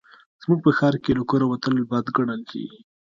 زموږ په ښار کې له کوره وتل بد ګڼل کېږي